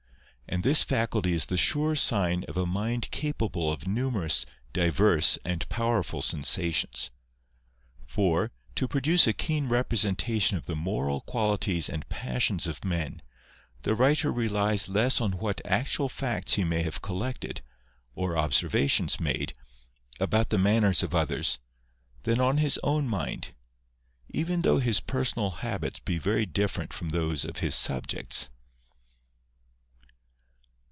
And this faculty is the sure sign of a mind capable of numerous, diverse, and powerful sensations. For, to produce a keen representation of the moral qualities and passions of men, the writer relies less on what actual facts he may have collected, or observations made, about the manners of others, than on his own mind, even though his personal habits be very different from those of his subjects.